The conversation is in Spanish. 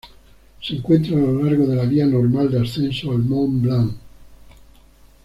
Se encuentra a lo largo de la vía normal de ascenso al Mont Blanc.